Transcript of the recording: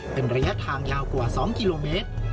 เป็นระยะทางยาวกว่า๒กิโลเมตร